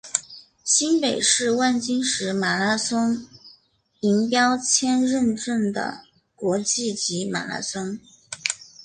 新北市万金石马拉松银标签认证的国际级马拉松。